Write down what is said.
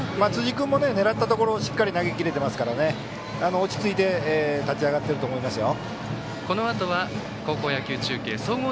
辻君も狙ったところにしっかり投げ切れていますから落ち着いて立ち上がっていると思いますよ。